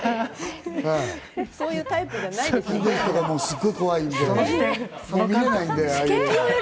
そういうタイプじゃないですよね？